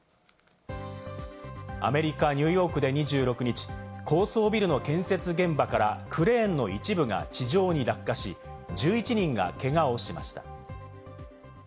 アメリカ・ニューヨークで２６日、高層ビルの建設現場からクレーンの一部が地上に落下し、１１人がけがをしました。